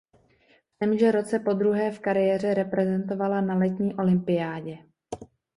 V témže roce podruhé v kariéře reprezentovala na letní olympiádě.